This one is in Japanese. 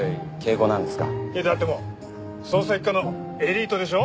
だってもう捜査一課のエリートでしょ？